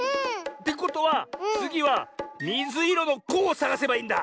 ってことはつぎはみずいろの「コ」をさがせばいいんだ。